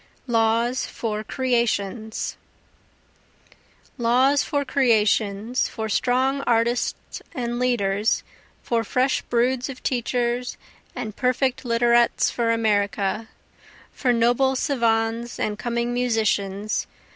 Laws for Creations Laws for creations, For strong artists and leaders, for fresh broods of teachers and perfect literats for America, For noble savans and coming musicians.